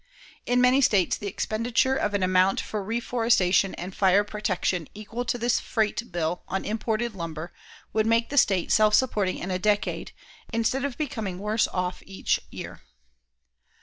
In many states, the expenditure of an amount for reforestation and fire protection equal to this freight bill on imported lumber would make the state self supporting in a decade, instead of becoming worse off each year.